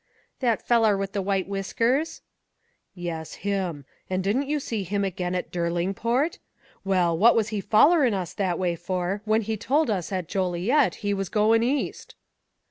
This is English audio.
"That feller with the white whiskers?" "Yes, him. And didn't you see him again at Derlingport? Well, what was he follerin' us that way for when he told us at Joliet he was goin' East?"